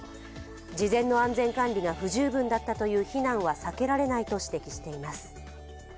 事前の安全管理が不十分だったという非難は避けられないと指摘しています。